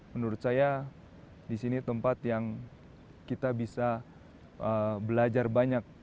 menurut saya di sini tempat yang kita bisa belajar banyak